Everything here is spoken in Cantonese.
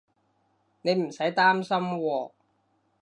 你唔使擔心喎